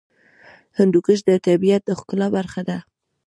هندوکش د طبیعت د ښکلا برخه ده.